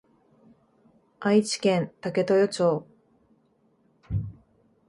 愛知県武豊町